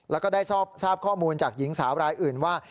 แล้วก็ได้ทราบข้อมูลจากหญิงสาวรายอื่นว่า